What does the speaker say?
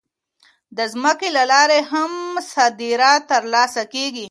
د ځمکې له لارې هم صادرات ترسره کېږي.